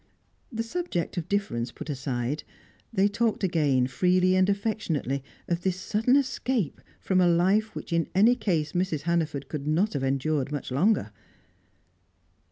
The subject of difference put aside, they talked again freely and affectionately of this sudden escape from a life which in any case Mrs. Hannaford could not have endured much longer.